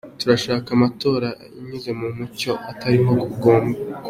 Turashaka amatora anyuze mu mucyo, atarimo kubogama.